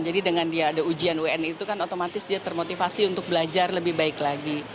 jadi dengan dia ada ujian un itu kan otomatis dia termotivasi untuk belajar lebih baik lagi